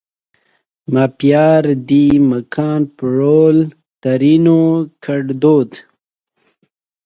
ما پیار دې مکان پرول؛ ترينو کړدود